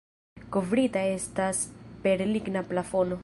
Kovrita estas per ligna plafono.